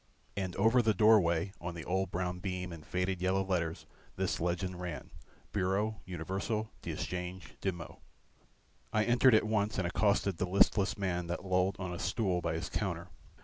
And over the doorway on the old brown beam in faded yellow letters this legend ran, Bureau Universel d'Echanges de Maux. I entered at once and accosted the listless man that lolled on a stool by his counter.